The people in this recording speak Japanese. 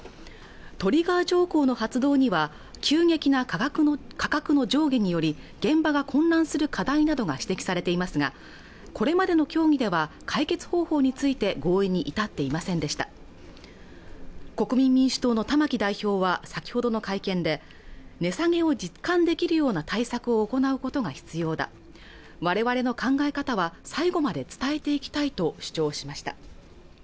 トリガー条項の発動には急激な価格の価格の上下により現場が混乱する課題などが指摘されていますがこれまでの協議では解決方法について合意に至っていませんでした国民民主党の玉木代表は先ほどの会見で値下げを実感できるような対策を行うことが必要だわれわれの考え方は最後まで伝えていきたいと主張しました